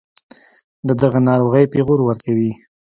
دَدغه ناروغۍپېغور ورکوي